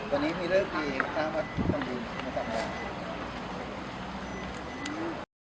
วันนี้มีเริ่มกี่ค่ะต้องดูมาสั่งแบบนี้